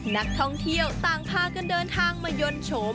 นักท่องเที่ยวต่างพากันเดินทางมายนต์โฉม